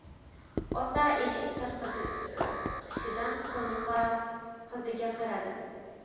Ota eshik tirqishidan qiziga qaradi.